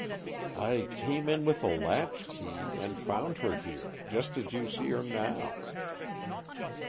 "I came in with a latch key, and found her here, just as you see her now."